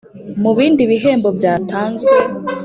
Mu bindi bihembo byatanzwe